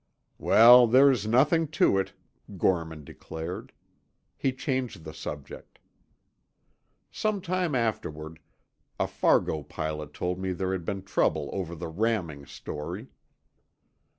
"Well, there's nothing to it," Gorman declared. He changed the subject. Some time afterward, a Fargo pilot told me there had been trouble over the ramming story.